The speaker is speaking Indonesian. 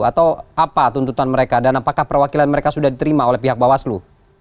atau apa tuntutan mereka dan apakah perwakilan mereka sudah diterima oleh pihak bawaslu